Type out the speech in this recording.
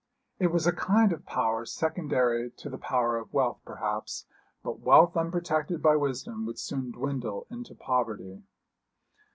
It was a kind of power secondary to the power of wealth, perhaps; but wealth unprotected by wisdom would soon dwindle into poverty.